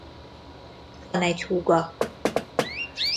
Van egy húga.